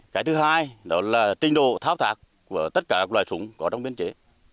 cái thứ hai là tình độ thao thạc của tất cả loài súng có trong biên chế